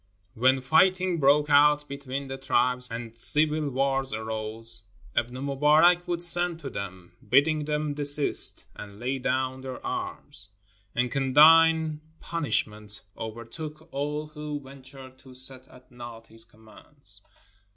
When fighting broke out between the tribes and civil wars arose, Ibn Mubarak would send to them, bidding them desist and lay down their arms. And condign punishment overtook all who ventured to set at naught his commands.